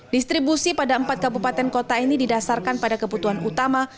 distribusi pada empat kabupaten kota ini didasarkan pada kebutuhan utama